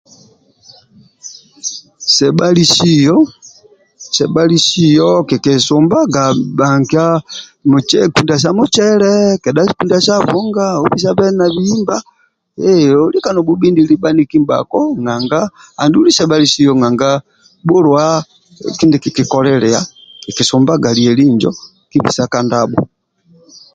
Sebhalisio sebhalisio kikisumbaga bhanikia bhanikia kunda sa mucele kedha kunda sa buhunga obisabe na bihimba hee olika nobhubhundili bhaniki ndibhako nanga andulu sebhalisio nanga bhulibwa kindie kikikolilia kikisumbaga lieli injo kikisa ka ndabho